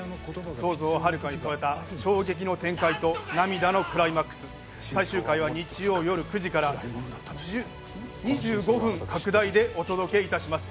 想像をはるかに超えた衝撃の展開と涙のクライマックス、最終回は日曜夜９時から２５分拡大でお届けいたします。